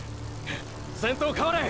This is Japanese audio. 先頭代われ！！